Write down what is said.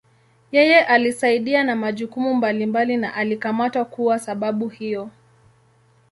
Yeye alisaidia na majukumu mbalimbali na alikamatwa kuwa sababu hiyo.